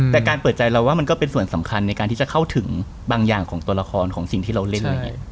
แต่การเปิดใจเราว่ามันก็เป็นส่วนสำคัญในการที่จะเข้าถึงบางอย่างของตัวละครของสิ่งที่เราเล่น